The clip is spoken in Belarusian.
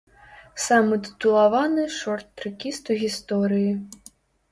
Самы тытулаваны шорт-трэкіст у гісторыі.